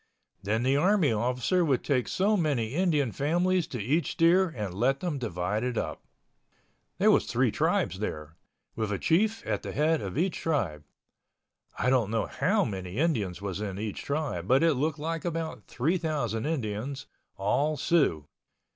Then the army officer would take so many Indian families to each steer and let them divide it up. There was three tribes there, with a chief at the head of each tribe. I don't know how many Indians was in each tribe but it looked like about 3,000 Indians—all Siouxs.